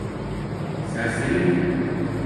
Serseri mi?